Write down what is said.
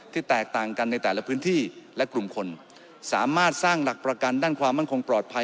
แตกต่างกันในแต่ละพื้นที่และกลุ่มคนสามารถสร้างหลักประกันด้านความมั่นคงปลอดภัย